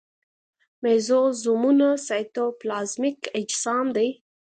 مېزوزومونه سایتوپلازمیک اجسام دي.